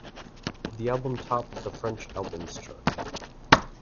The album topped the French Albums Chart.